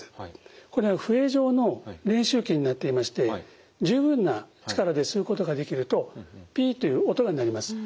これは笛状の練習器になっていまして十分な力で吸うことができるとピッという音が鳴ります。